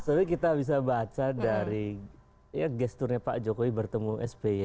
tapi kita bisa baca dari ya gesturnya pak jokowi bertemu sby